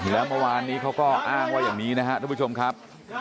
แล้วเมื่อวานนี้เขาก็อ้างว่าอย่างนี้นะครับทุกผู้ชมครับ